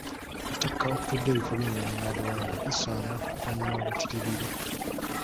Ettaka okutudde ebifo by’ennono n’obuwangwa lisaana kukuumibwa butiribiri.